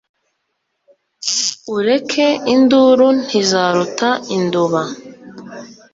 ureke induru ntizaruta induba,